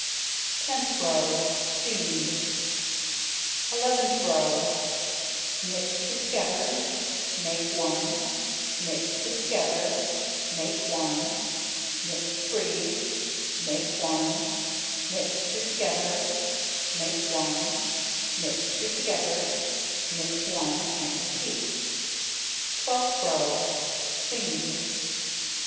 Tenth row: Seamed. Eleventh row: Knit 2 together, make 1, knit 2 together, make 1, knit 3, make 1, knit 2 together, make 1, knit 2 together, knit 1, and repeat. Twelfth row: Seamed.